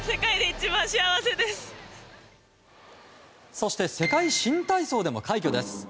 そして世界新体操でも快挙です。